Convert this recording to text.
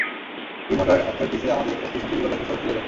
Rheumatoid আর্থাইটিসে আমাদের অস্থিসন্ধীগুলো ব্যাথাসহ ফুলে যায়।